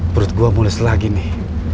perut gua mulus lagi nih